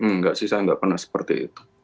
enggak sih saya nggak pernah seperti itu